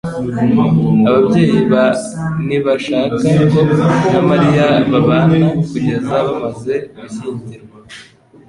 Ababyeyi ba ntibashaka ko na Mariya babana kugeza bamaze gushyingirwa.